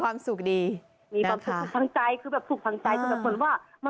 สามสิบบอโอเคไหม